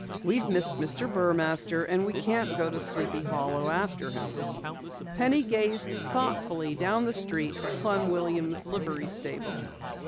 We've missed Mr. Burmaster and we can't go to Sleepy Hollow after him." Penny gazed thoughtfully down the street at Clem Williams' livery stable.